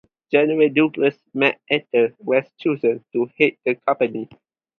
General Douglas MacArthur was chosen to head the company.